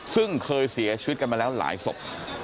ซึ่งเคยเสียชีวิตกันมาแล้วหลายศพ